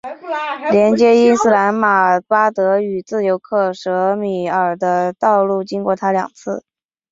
连接伊斯兰马巴德与自由克什米尔的道路经过它两次。